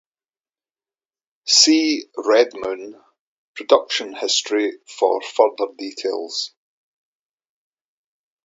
See Redmoon: Production History for further details.